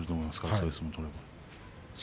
そういう相撲を取ると。